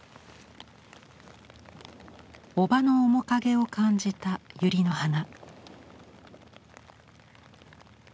おばの面影を感じたユリの花。